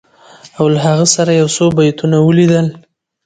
او له هغه سره یو څو بیتونه ولیدل